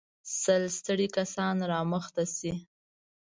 سل ستړي کسان را مخته شئ.